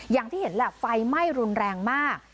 อย่างที่เห็นแหละไฟไหม้รุนแรงมาก